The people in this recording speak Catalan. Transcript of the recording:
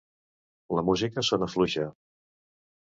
La música sona fluixa.